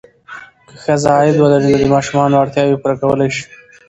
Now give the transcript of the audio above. که ښځه عاید ولري، نو د ماشومانو اړتیاوې پوره کولی شي.